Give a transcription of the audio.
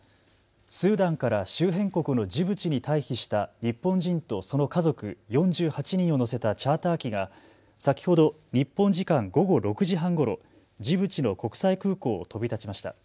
スーダンから周辺国のジブチに退避した日本人とその家族４８人を乗せたチャーター機が先ほど日本時間午後６時半ごろジブチの国際空港を飛び立ちました。